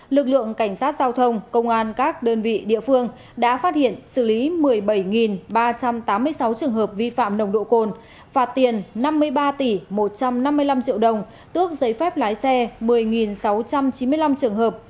lực lượng cảnh sát giao thông công an các đơn vị địa phương đã phát hiện xử lý một mươi bảy ba trăm tám mươi sáu trường hợp vi phạm nồng độ cồn phạt tiền năm mươi ba tỷ một trăm năm mươi năm triệu đồng tước giấy phép lái xe một mươi sáu trăm chín mươi năm trường hợp